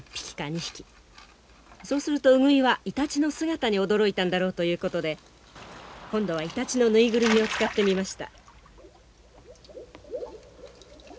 そうするとウグイはイタチの姿に驚いたんだろうということで今度はイタチの縫いぐるみを使ってみました。